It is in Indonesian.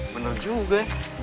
bener juga ya